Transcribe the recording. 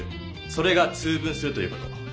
それが「通分する」という事。